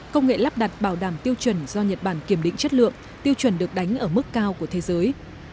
công nghệ lắp đặt bảo đảm tiêu chuẩn do nhật bản kiểm định chất lượng tiêu chuẩn được đánh ở mức cao của thế giới